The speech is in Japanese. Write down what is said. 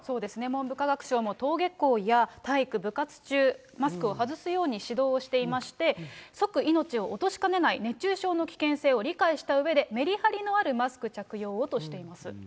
文部科学省も登下校や体育、部活中、マスクを外すように指導をしていまして、即命を落としかねない、熱中症の危険性を理解したうえで、メリハリのあるマスク着用をとしています。